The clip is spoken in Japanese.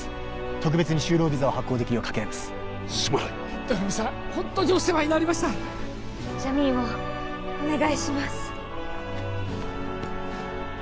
特別に就労ビザを発行できるよう掛け合いますすまないドラムさんホントにお世話になりましたジャミーンをお願いします